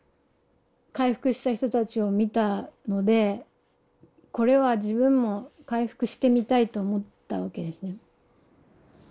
回復した人たちを見たのでこれは自分も回復してみたいと思ったわけですね。